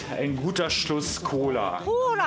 コーラ！